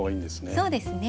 そうですね。